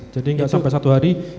jadi enggak sampai satu hari